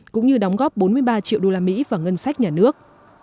cũng như đóng góp bốn mươi ba triệu usd vào ngân sách nhà nước